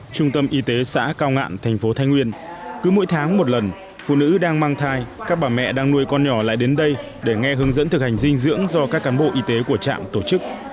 trung tâm y tế xã cao ngạn thành phố thái nguyên cứ mỗi tháng một lần phụ nữ đang mang thai các bà mẹ đang nuôi con nhỏ lại đến đây để nghe hướng dẫn thực hành dinh dưỡng do các cán bộ y tế của trạm tổ chức